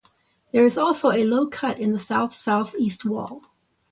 There is also a low cut in the south-southeast wall.